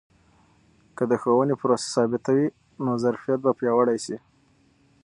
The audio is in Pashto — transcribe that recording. که د ښوونې پروسه ثابته وي، نو ظرفیت به پیاوړی سي.